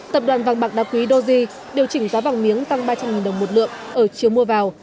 tập đoàn vàng bạc đa quý doji điều chỉnh giá vàng miếng tăng ba trăm linh đồng một lượng ở chiều mua vào